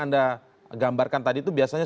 anda gambarkan tadi itu biasanya